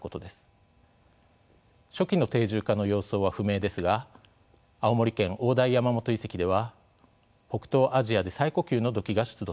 初期の定住化の様相は不明ですが青森県大平山元遺跡では北東アジアで最古級の土器が出土しました。